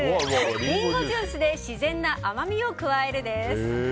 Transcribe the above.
リンゴジュースで自然な甘みを加えるです。